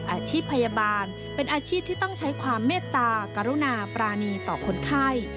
อาชีพพยาบาลเป็นอาชีพที่ต้องใช้ความเมตตากรุณาปรานีต่อคนไข้